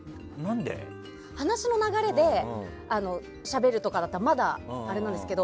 話の流れでしゃべるとかだったらまだあれなんですけど。